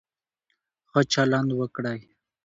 ښه چلند وکړئ.